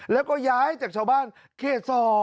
แล้วก็ย้ายจากชาวบ้านเขต๒